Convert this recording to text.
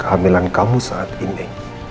kehamilan kamu saat ini